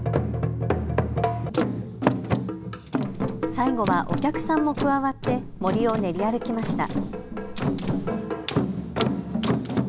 最後は、お客さんも加わって森を練り歩きました。